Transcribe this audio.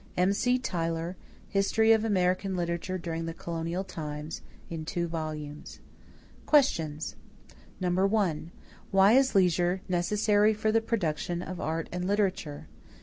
M.C. Tyler, History of American Literature during the Colonial Times (2 vols.). =Questions= 1. Why is leisure necessary for the production of art and literature?